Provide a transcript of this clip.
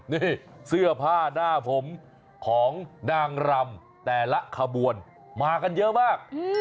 นี่เสื้อผ้าหน้าผมของนางรำแต่ละขบวนมากันเยอะมาก